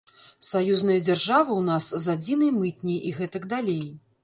Саюзная дзяржава ў нас з адзінай мытняй і гэтак далей.